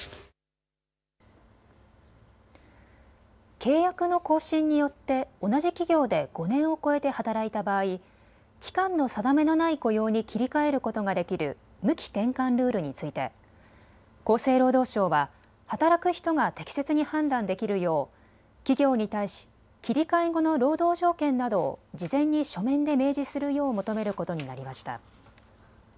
契約の更新によって同じ企業で５年を超えて働いた場合、期間の定めのない雇用に切り替えることができる無期転換ルールについて厚生労働省は働く人が適切に判断できるよう企業に対し切り替え後の労働条件などを事前に書面で明示するよう求めることになりました。